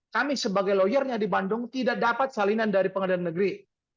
kami sebagai lawyernya di bandung tidak dapat salinan dari pengadilan negeri